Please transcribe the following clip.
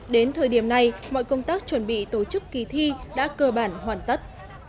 đến thời điểm này mọi công tác chuẩn bị tổ chức kỳ thi đã cơ bản hoàn tất